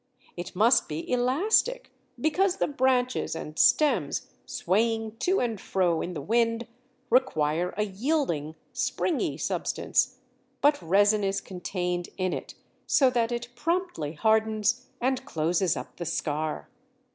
It must be elastic, because the branches and stems swaying to and fro in the wind require a yielding, springy substance, but resin is contained in it, so that it promptly hardens and closes up the scar.